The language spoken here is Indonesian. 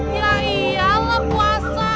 ya iyalah puasa